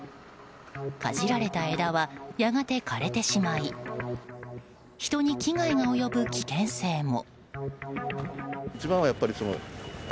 かじられた枝はやがて枯れてしまい人に危害が及ぶ危険性も。